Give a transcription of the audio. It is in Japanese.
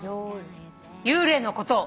幽霊のことを。